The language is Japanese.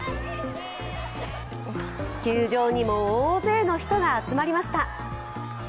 球場にも大勢の人が集まりました。